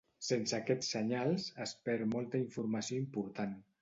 Sense aquests senyals, es perd molta informació important.